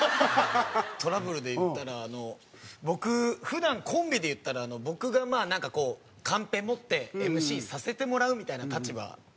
トラブルでいったら僕普段コンビでいったら僕がなんかこうカンペ持ってＭＣさせてもらうみたいな立場なんですよ